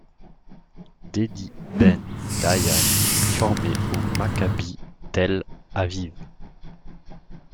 Dedi Ben Dayan est formé au Maccabi Tel-Aviv.